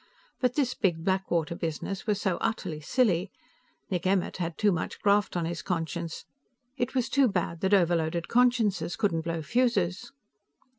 But this Big Blackwater business was so utterly silly. Nick Emmert had too much graft on his conscience; it was too bad that overloaded consciences couldn't blow fuses.